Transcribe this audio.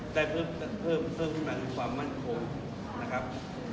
ได้เพิ่มมาคือความมั่นของนะครับ